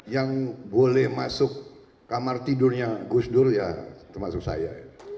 yang boleh masuk kamar tidurnya gusdur ya termasuk saya